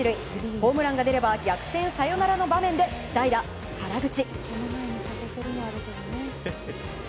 ホームランが出れば逆転サヨナラの場面で代打、原口。